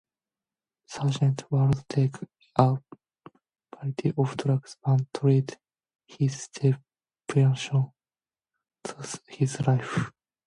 Sargant would take a variety of drugs to treat his depression throughout his life.